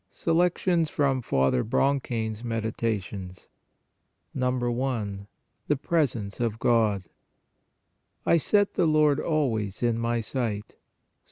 SELECTIONS FROM FATHER BRONCHAIN S MEDITATIONS i. THE PRESENCE OF GOD "I set the Lord always in my sight" (Ps.